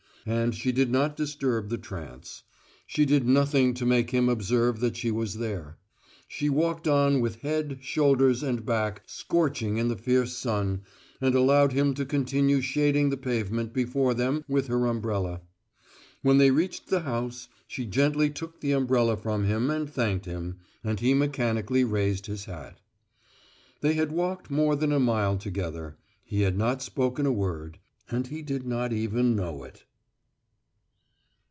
And she did not disturb the trance; she did nothing to make him observe that she was there. She walked on with head, shoulders, and back scorching in the fierce sun, and allowed him to continue shading the pavement before them with her umbrella. When they reached the house she gently took the umbrella from him and thanked him; and he mechanically raised his hat. They had walked more than a mile together; he had not spoken a word, and he did not even know it.